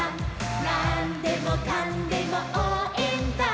「なんでもかんでもおうえんだ！！」